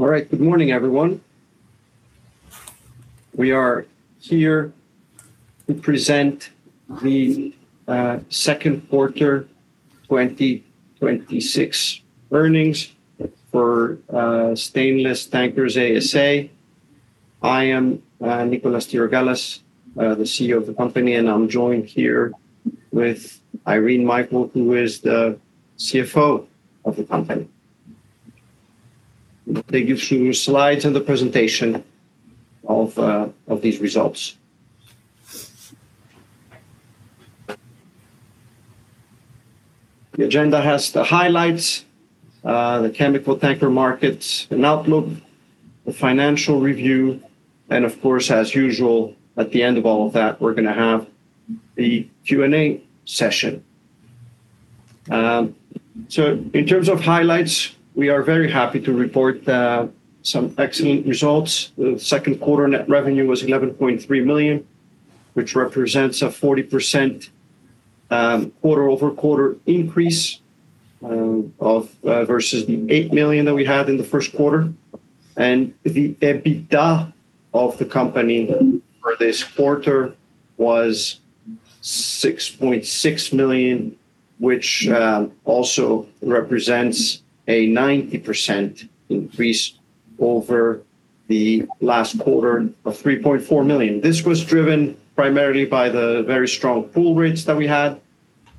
All right. Good morning, everyone. We are here to present the Second Quarter 2026 Earnings for Stainless Tankers ASA. I am Nicolas Tirogalas, the CEO of the company, and I'm joined here with Irene Michael, who is the CFO of the company. They give you slides in the presentation of these results. The agenda has the highlights, the chemical tanker markets, an outlook, the financial review, and of course, as usual, at the end of all of that, we're going to have the Q&A session. In terms of highlights, we are very happy to report some excellent results. The second quarter net revenue was $11.3 million, which represents a 40% quarter-over-quarter increase versus the $8 million that we had in the first quarter. The EBITDA of the company for this quarter was $6.6 million, which also represents a 90% increase over the last quarter of $3.4 million. This was driven primarily by the very strong pool rates that we had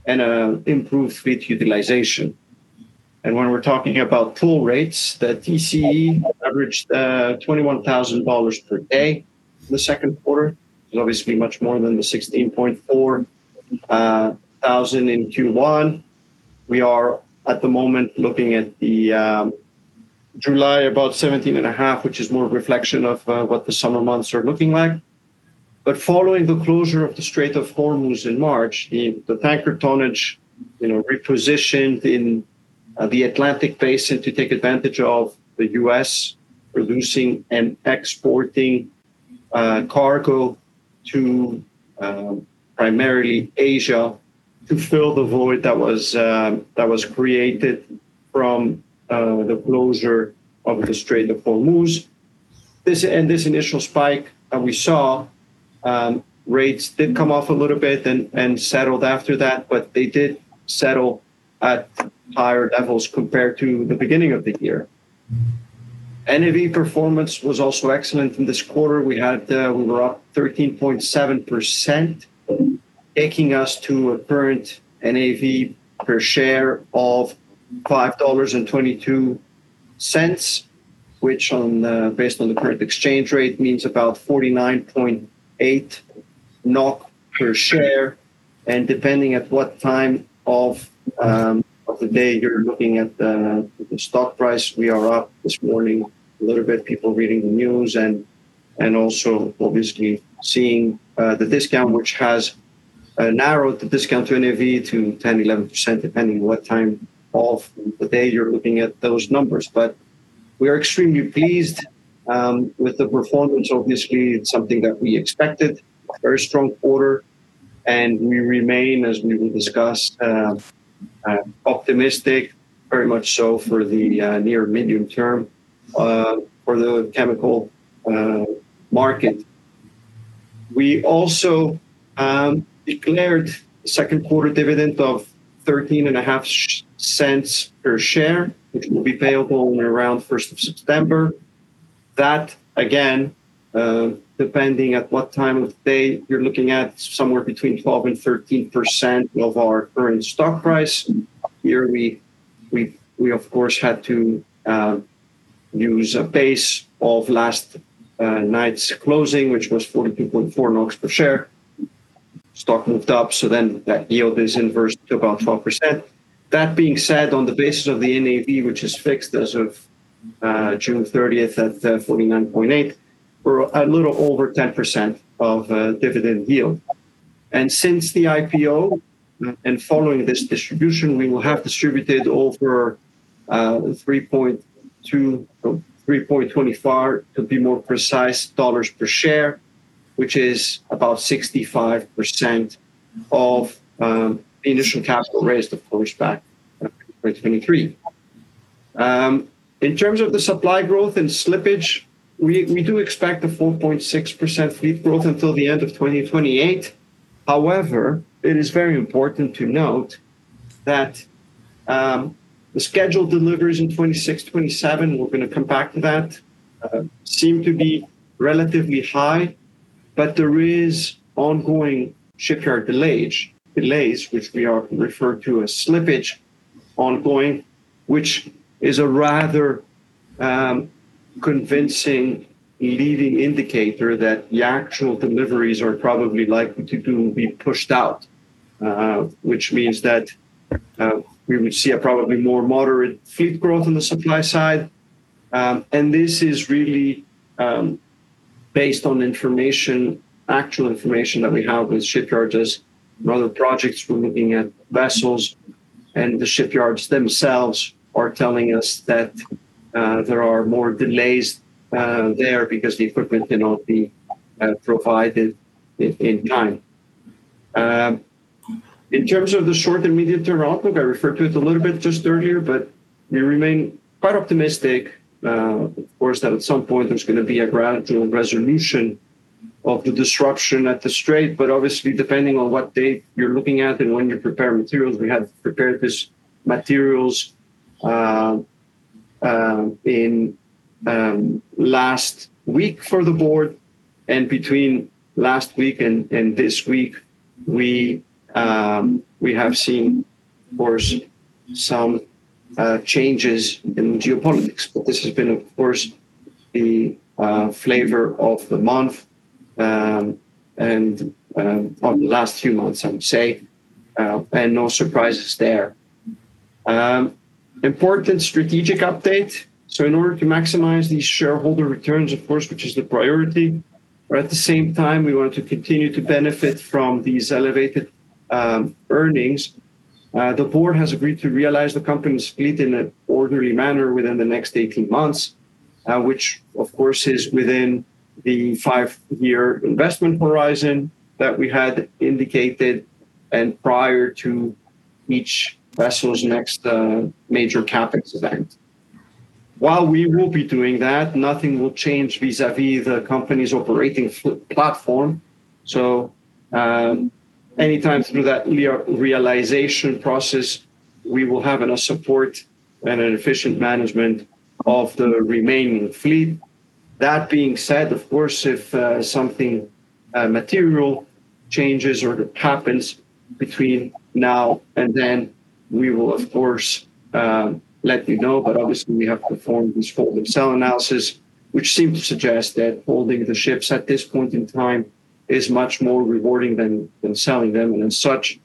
and improved fleet utilization. When we're talking about pool rates, the TCE averaged $21,000 per day for the second quarter. It's obviously much more than the $16.4 thousand in Q1. We are at the moment looking at the July about $17.5 thousand, which is more a reflection of what the summer months are looking like. Following the closure of the Strait of Hormuz in March, the tanker tonnage repositioned in the Atlantic Basin to take advantage of the U.S. producing and exporting cargo to primarily Asia to fill the void that was created from the closure of the Strait of Hormuz. This initial spike that we saw, rates did come off a little bit and settled after that, they did settle at higher levels compared to the beginning of the year. NAV performance was also excellent in this quarter. We were up 13.7%, taking us to a current NAV per share of $5.22, which based on the current exchange rate, means about 49.8 NOK per share. Depending at what time of the day you're looking at the stock price, we are up this morning a little bit, people reading the news, and also obviously seeing the discount, which has narrowed the discount to NAV to 10%-11%, depending what time of the day you're looking at those numbers. We are extremely pleased with the performance. Obviously, it's something that we expected, a very strong quarter, and we remain, as we will discuss, optimistic, very much so for the near medium term for the chemical market. We also declared second quarter dividend of $0.135 per share, which will be payable around 1st of September. That, again, depending at what time of day you're looking at, somewhere between 12%-13% of our current stock price. Yearly, we of course, had to use a base of last night's closing, which was 42.4 NOK per share. Stock moved up so then that yield is inverse to about 12%. That being said, on the basis of the NAV, which is fixed as of June 30th at 49.8, we're a little over 10% of dividend yield. Since the IPO, and following this distribution, we will have distributed over $3.25 per share, which is about 65% of the initial capital raised, of course, back in 2023. In terms of the supply growth and slippage, we do expect a 4.6% fleet growth until the end of 2028. It is very important to note that the scheduled deliveries in 2026, 2027, we're going to come back to that, seem to be relatively high, there is ongoing shipyard delays, which we are referring to as slippage ongoing, which is a rather convincing leading indicator that the actual deliveries are probably likely to be pushed out, which means that we would see a probably more moderate fleet growth on the supply side. This is really based on actual information that we have with shipyards as rather projects. We're looking at vessels, the shipyards themselves are telling us that there are more delays there because the equipment cannot be provided in time. In terms of the short and medium-term outlook, I referred to it a little bit just earlier, we remain quite optimistic. At some point there's going to be a gradual resolution of the disruption at the strait, obviously depending on what date you're looking at and when you prepare materials, we have prepared these materials in last week for the board, between last week and this week, we have seen, of course, some changes in geopolitics. This has been, of course, the flavor of the month on the last few months, I would say, no surprises there. Important strategic update. In order to maximize these shareholder returns, of course, which is the priority, at the same time, we want to continue to benefit from these elevated earnings. The board has agreed to realize the company's fleet in an orderly manner within the next 18 months, which of course is within the five-year investment horizon that we had indicated prior to each vessel's next major CapEx event. While we will be doing that, nothing will change vis-à-vis the company's operating platform. Anytime through that realization process, we will have enough support and an efficient management of the remaining fleet. That being said, of course, if something material changes or happens between now and then, we will, of course, let you know. Obviously we have performed this hold and sell analysis, which seem to suggest that holding the ships at this point in time is much more rewarding than selling them. As such,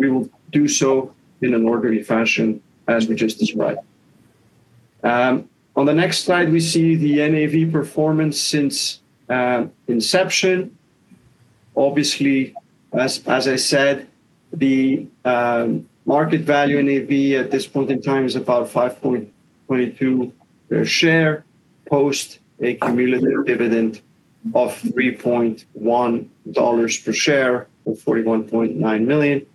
we will do so in an orderly fashion as we just described. On the next slide, we see the NAV performance since inception. As I said, the market value NAV at this point in time is about $5.22 per share, post a cumulative dividend of $3.1 per share or $41.9 million.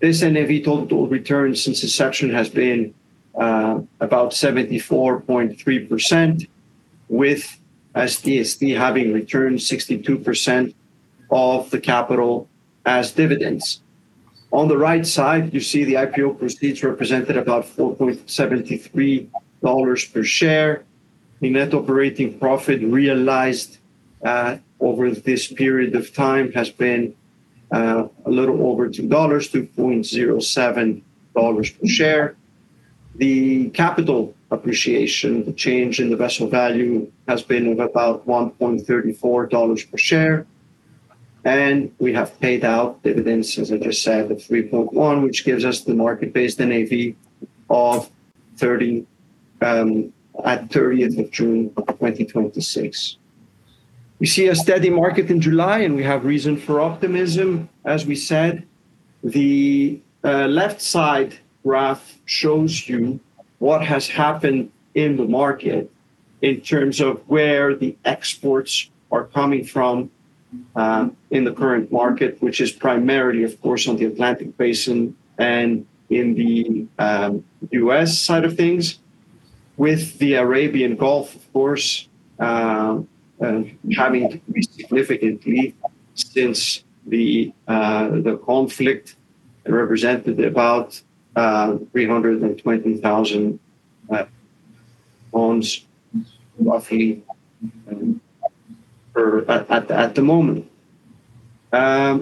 This NAV total return since inception has been about 74.3%, with STST having returned 62% of the capital as dividends. On the right side, you see the IPO proceeds represented about $4.73 per share. The net operating profit realized over this period of time has been a little over $2, $2.07 per share. The capital appreciation change in the vessel value has been of about $1.34 per share. We have paid out dividends, as I just said, of $3.1 per share, which gives us the market-based NAV at 30th of June 2026. We see a steady market in July and we have reason for optimism, as we said. The left side graph shows you what has happened in the market in terms of where the exports are coming from in the current market, which is primarily, of course, on the Atlantic Basin and in the U.S. side of things. With the Arabian Gulf, of course, having decreased significantly since the conflict represented about 320,000 tons, roughly, at the moment. At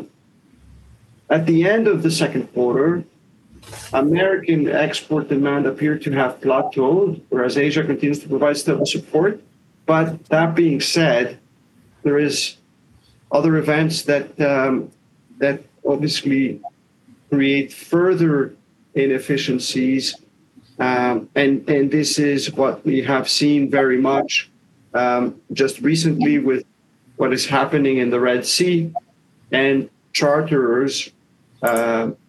the end of the second quarter, American export demand appeared to have plateaued, whereas Asia continues to provide stable support. That being said, there is other events that obviously create further inefficiencies, and this is what we have seen very much, just recently with what is happening in the Red Sea and charterers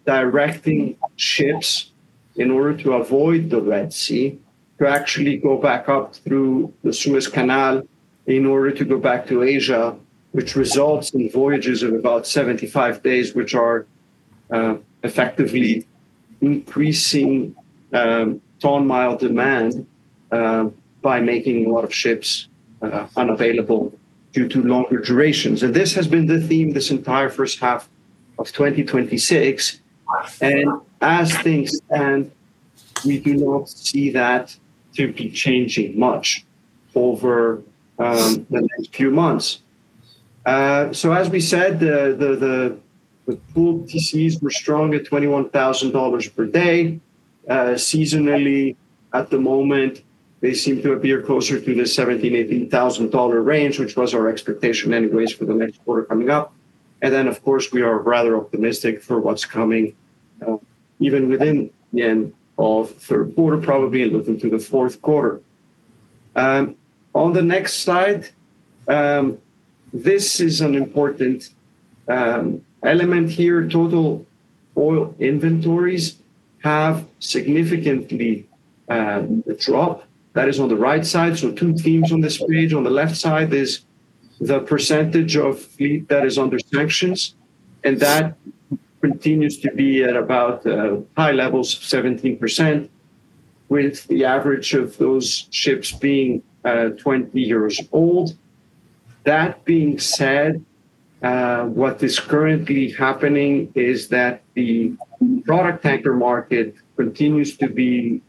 directing ships in order to avoid the Red Sea to actually go back up through the Suez Canal in order to go back to Asia, which results in voyages of about 75 days, which are effectively increasing ton-mile demand, by making a lot of ships unavailable due to longer durations. This has been the theme this entire first half of 2026. As things stand, we do not see that to be changing much over the next few months. As we said, the pool TCEs were strong at $21,000 per day. Seasonally at the moment, they seem to appear closer to the $17,000-$18,000 range, which was our expectation anyways for the next quarter coming up. Then, of course, we are rather optimistic for what's coming even within the end of third quarter, probably into the fourth quarter. On the next slide, this is an important element here. Total oil inventories have significantly dropped. That is on the right side. Two themes on this page. On the left side, there's the percentage of fleet that is under sanctions, and that continues to be at about high levels, 17%, with the average of those ships being 20 years old. That being said, what is currently happening is that the product tanker market continues to be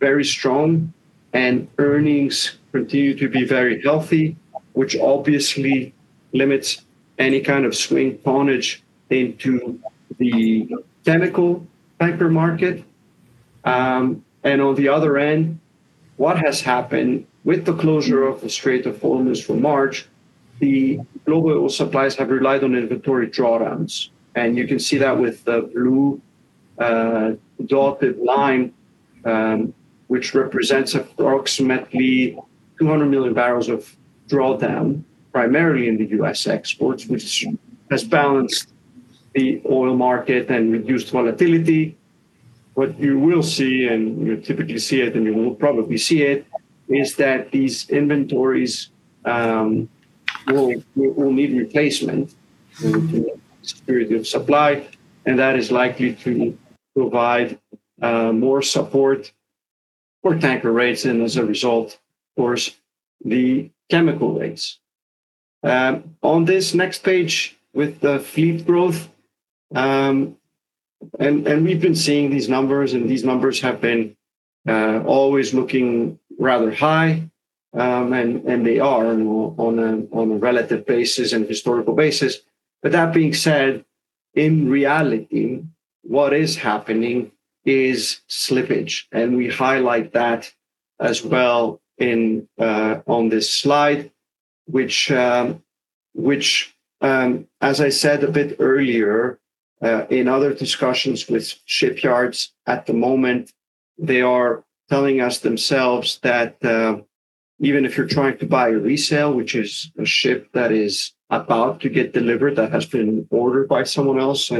very strong, and earnings continue to be very healthy, which obviously limits any kind of swing tonnage into the chemical tanker market. On the other end, what has happened with the closure of the Strait of Hormuz from March, the global oil supplies have relied on inventory drawdowns. You can see that with the blue dotted line, which represents approximately 200 million barrels of drawdown, primarily in the U.S. exports, which has balanced the oil market and reduced volatility. What you will see, and you typically see it, and you will probably see it, is that these inventories will need replacement to secure the supply, and that is likely to provide more support for tanker rates and as a result, of course, the chemical rates. On this next page with the fleet growth, and we've been seeing these numbers, and these numbers have been always looking rather high, and they are on a relative basis and historical basis. That being said, in reality, what is happening is slippage, we highlight that as well on this slide which, as I said a bit earlier, in other discussions with shipyards at the moment, they are telling us themselves that even if you're trying to buy a resale, which is a ship that is about to get delivered, that has been ordered by someone else,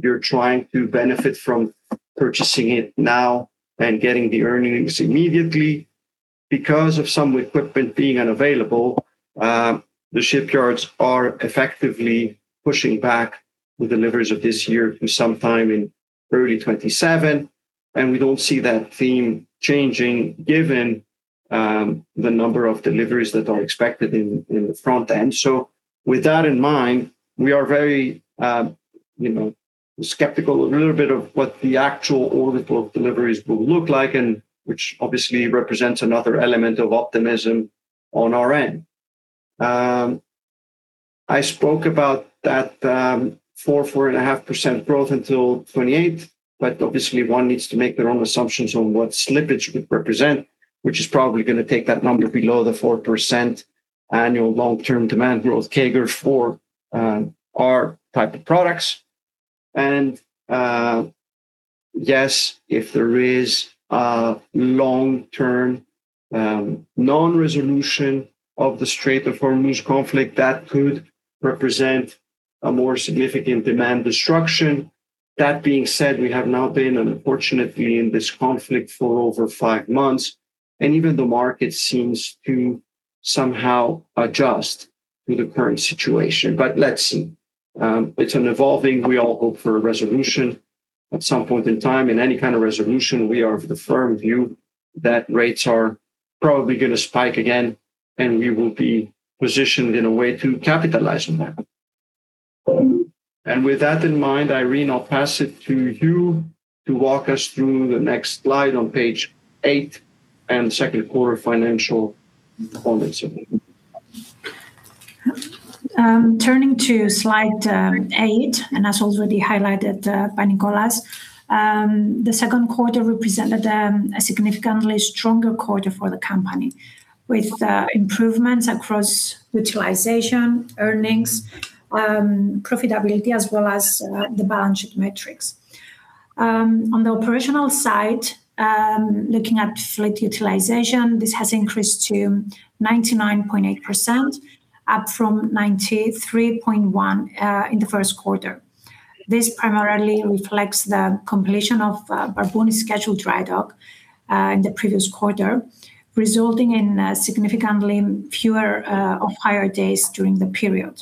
you're trying to benefit from purchasing it now and getting the earnings immediately, because of some equipment being unavailable, the shipyards are effectively pushing back the deliveries of this year to sometime in early 2027, we don't see that theme changing given the number of deliveries that are expected in the front end. With that in mind, we are very skeptical a little bit of what the actual order flow of deliveries will look like, which obviously represents another element of optimism on our end. I spoke about that 4%-4.5% growth until 2028, obviously one needs to make their own assumptions on what slippage would represent, which is probably going to take that number below the 4% annual long-term demand growth CAGR for our type of products. Yes, if there is a long-term non-resolution of the Strait of Hormuz conflict, that could represent a more significant demand destruction. That being said, we have now been unfortunately in this conflict for over five months, even the market seems to somehow adjust to the current situation. Let's see. It's evolving. We all hope for a resolution at some point in time. In any kind of resolution, we are of the firm view that rates are probably going to spike again, we will be positioned in a way to capitalize on that. With that in mind, Irene, I'll pass it to you to walk us through the next slide on page eight and second quarter financial comments. Turning to slide eight, as already highlighted by Nicolas, the second quarter represented a significantly stronger quarter for the company, with improvements across utilization, earnings, profitability, as well as the balance sheet metrics. On the operational side, looking at fleet utilization, this has increased to 99.8%, up from 93.1% in the first quarter. This primarily reflects the completion of Barbouni scheduled dry dock in the previous quarter, resulting in significantly fewer off-hire days during the period.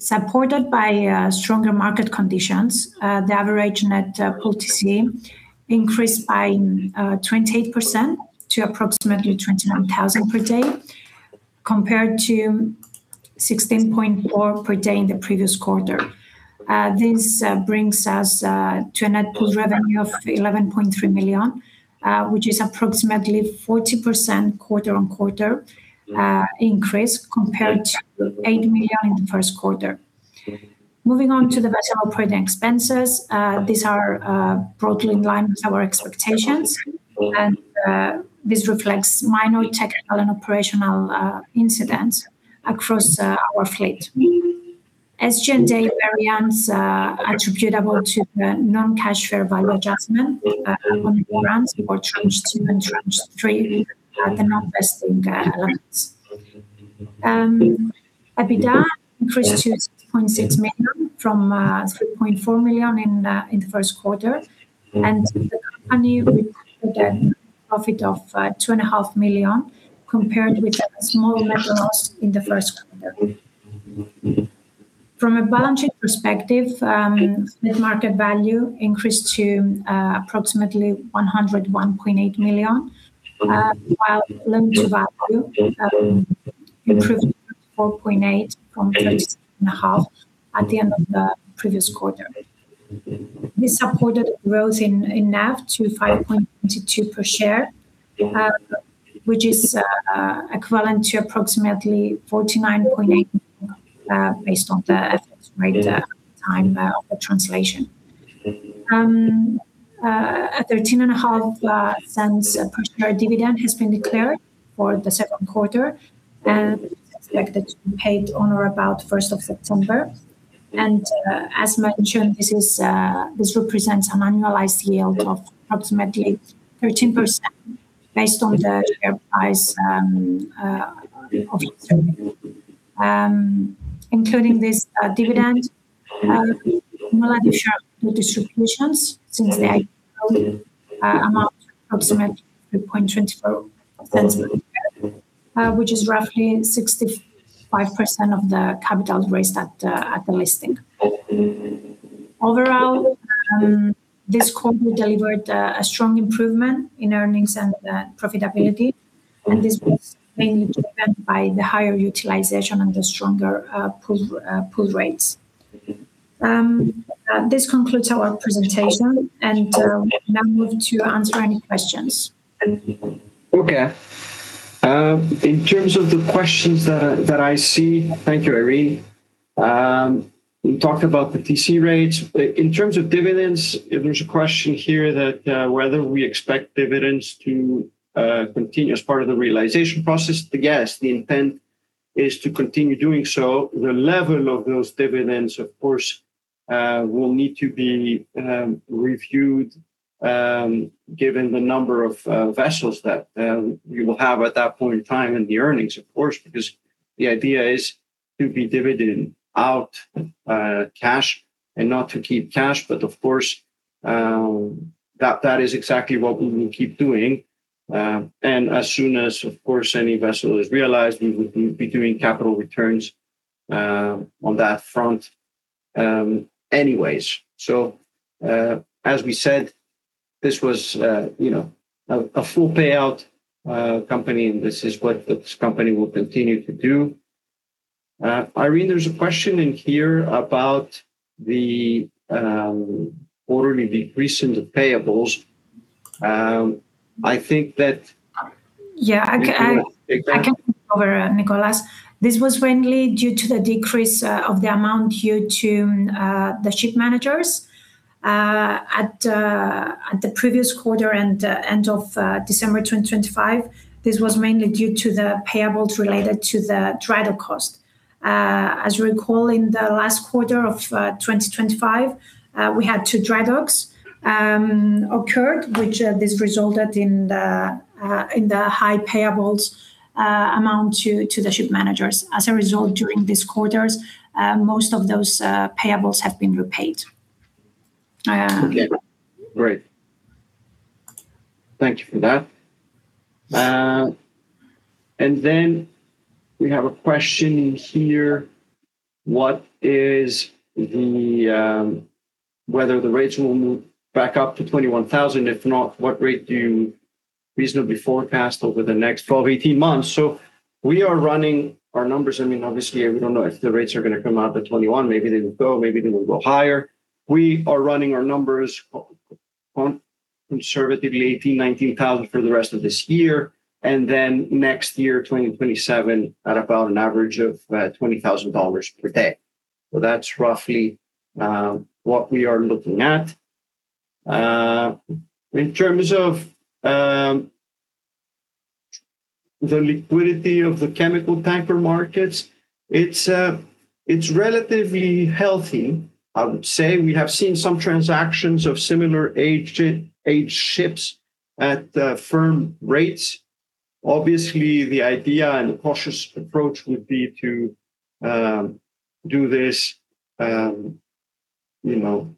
Supported by stronger market conditions, the average net TCE increased by 28% to approximately $21,000 per day, compared to $16.4K per day in the previous quarter. This brings us to a net pool revenue of $11.3 million, which is approximately 40% quarter-on-quarter increase compared to $8 million in the first quarter. Moving on to the vessel operating expenses. These are broadly in line with our expectations. This reflects minor technical and operational incidents across our fleet. SG&A daily variance attributable to the non-cash fair value adjustment on the grants for Tranche 2 and Tranche 3 are the non-vesting allowance. EBITDA increased to $6.6 million from $3.4 million in the first quarter. The company reported a profit of $2.5 million, compared with a small net loss in the first quarter. From a balance sheet perspective, mid-market value increased to approximately $101.8 million, while loan-to-value improved to 4.8 from 3.5 at the end of the previous quarter. This supported growth in NAV to $5.22 per share, which is equivalent to approximately 49.8 based on the FX rate at the time of the translation. A $0.135 per share dividend has been declared for the second quarter and is expected to be paid on or about the 1st of September. As mentioned, this represents an annualized yield of approximately 13% based on the share price of. [inaudible] Including this dividend, cumulative share distributions since the IPO amount to approximately $3.24 per share, which is roughly 65% of the capital raised at the listing. Overall, this quarter delivered a strong improvement in earnings and profitability. This was mainly driven by the higher utilization and the stronger pool rates. This concludes our presentation. Now we want to answer any questions. Okay. In terms of the questions that I see, thank you, Irene. We talked about the TCE rates. In terms of dividends, there is a question here whether we expect dividends to continue as part of the realization process. Yes, the intent is to continue doing so. The level of those dividends, of course, will need to be reviewed given the number of vessels that we will have at that point in time in the earnings. Of course, because the idea is to be dividending out cash and not to keep cash, but of course, that is exactly what we will keep doing. As soon as, of course, any vessel is realized, we would be doing capital returns on that front anyways. As we said, this was a full payout company, and this is what this company will continue to do. Irene, there is a question in here about the quarterly decrease in the payables. Yeah. I can take over, Nicolas. This was mainly due to the decrease of the amount here to the ship managers. At the previous quarter and end of December 2025, this was mainly due to the payables related to the drydock cost. As you recall, in the last quarter of 2025, we had two dry docks occurred, which this resulted in the high payables amount to the ship managers. As a result, during these quarters, most of those payables have been repaid. Okay, great. Thank you for that. Then we have a question in here, whether the rates will move back up to $21,000. If not, what rate do you reasonably forecast over the next 12, 18 months? We are running our numbers. Obviously, we don't know if the rates are going to come out to 21. Maybe they will go, maybe they will go higher. We are running our numbers conservatively $18,000, $19,000 for the rest of this year, and then next year, 2027, at about an average of $20,000 per day. That's roughly what we are looking at. In terms of the liquidity of the chemical tanker markets, it's relatively healthy, I would say. We have seen some transactions of similar aged ships at firm rates. Obviously, the idea and the cautious approach would be to do this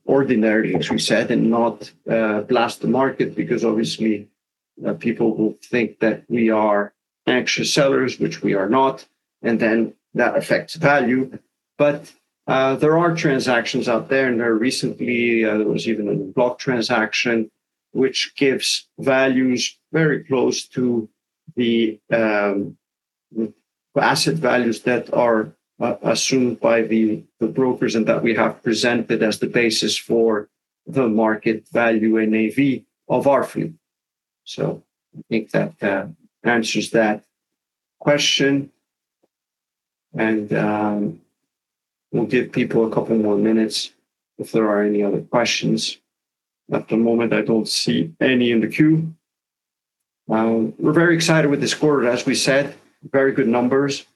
ordinarily, as we said, not blast the market, because obviously people will think that we are anxious sellers, which we are not, then that affects value. There are transactions out there, very recently there was even a block transaction, which gives values very close to the asset values that are assumed by the brokers, and that we have presented as the basis for the market value NAV of our fleet. I think that answers that question, and we'll give people a couple more minutes if there are any other questions. At the moment, I don't see any in the queue. We're very excited with this quarter. As we said, very good numbers.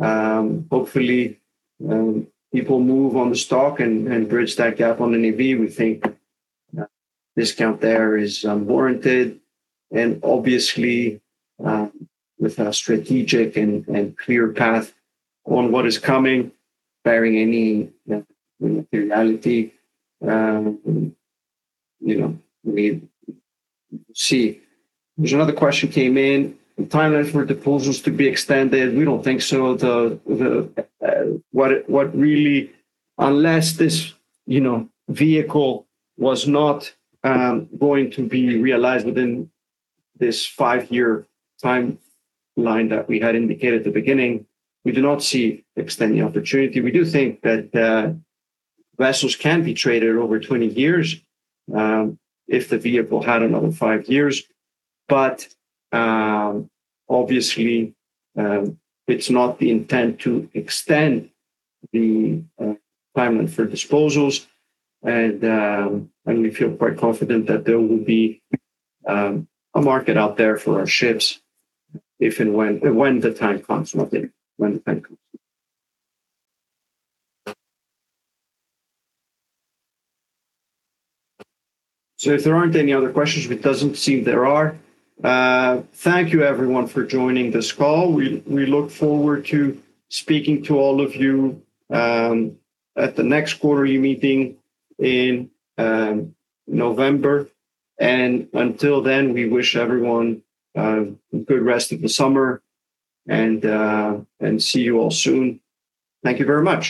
Hopefully, people move on the stock and bridge that gap on the NAV. We think discount there is warranted obviously with a strategic and clear path on what is coming, barring any materiality. We see there's another question came in. The timelines for disposals to be extended. We don't think so. Unless this vehicle was not going to be realized within this five-year timeline that we had indicated at the beginning, we do not see extending opportunity. We do think that vessels can be traded over 20 years if the vehicle had another five years. Obviously, it's not the intent to extend the timeline for disposals. We feel quite confident that there will be a market out there for our ships if and when the time comes, not if, when the time comes. If there aren't any other questions, it doesn't seem there are. Thank you everyone for joining this call. We look forward to speaking to all of you at the next quarterly meeting in November. Until then, we wish everyone a good rest of the summer and see you all soon. Thank you very much.